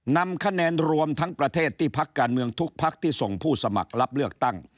นำคะแนนรวมทั้งประเทศที่พักการเมืองทุกพักที่ส่งผู้สมัครรับเลือกตั้ง